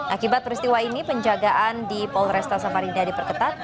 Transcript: akibat peristiwa ini penjagaan di polresta samarinda diperketat